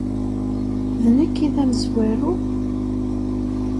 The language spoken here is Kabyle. D nekk i d amezwaru?